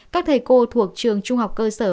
các thầy cô thuộc trường trung học cơ sở